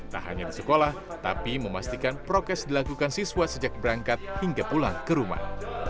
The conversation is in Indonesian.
tak hanya di sekolah tapi memastikan prokes dilakukan siswa sejak berangkat hingga pulang ke rumah